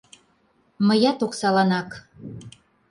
— Мыят оксаланак.